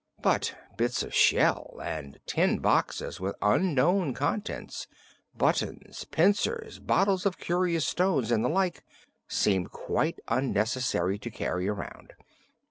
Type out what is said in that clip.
But bits of shell, and tin boxes with unknown contents, buttons, pincers, bottles of curious stones and the like, seemed quite unnecessary to carry around.